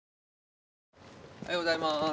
おはようございます。